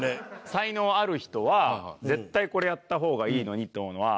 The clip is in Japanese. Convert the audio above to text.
才能ある人は絶対これやった方がいいのにって思うのは。